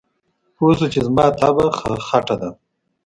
پوی شو چې زما طبعه خټه ده.